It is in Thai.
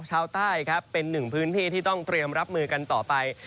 ชาวใต้ครับเป็นหนึ่งพื้นที่ที่ต้องเตรียมรับมือกันต่อไป